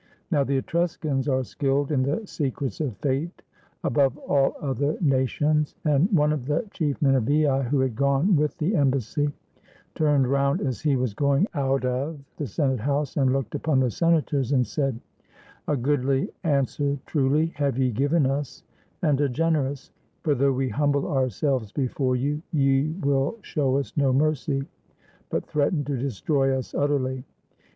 Now the Etruscans are skilled in the secrets of Fate above all other nations ; and one of the chief men of Veii, who had gone with the embassy, turned round as he was going out of the Senate house, and looked upon the senators and said: "A goodly an swer truly have ye given us, and a generous ; for though we humble ourselves before you, ye will show us no mercy, but threaten to destroy us utterly.